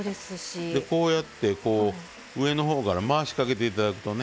こうやってこう上のほうから回しかけて頂くとね。